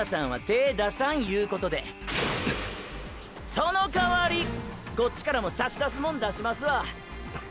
その代わりこっちからも“差し出すモン”出しますわ。